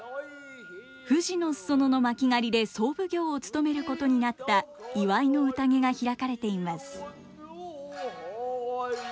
富士の裾野の巻狩で総奉行を務めることになった祝いの宴が開かれています。